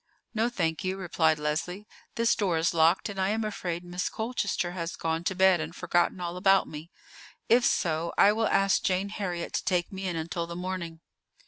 "No, thank you," replied Leslie; "this door is locked, and I am afraid Miss Colchester has gone to bed and forgotten all about me. If so, I will ask Jane Heriot to take me in until the morning."